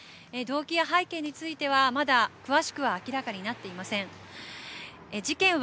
動機や背景についてはまだ詳しくは明らかになっていません。